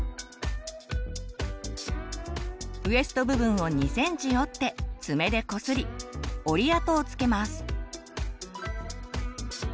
ウエスト部分を２ｃｍ折って爪でこすり折り跡を付けます。